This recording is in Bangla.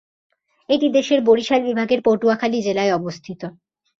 এটি দেশের বরিশাল বিভাগের পটুয়াখালী জেলায়অবস্থিত।